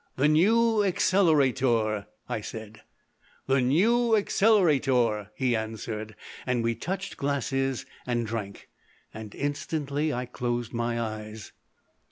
"The New Accelerator," I said. "The New Accelerator," he answered, and we touched glasses and drank, and instantly I closed my eyes.